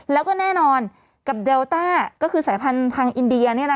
แล้วก็แน่นอนกับเดลต้าก็คือสายพันธุ์ทางอินเดีย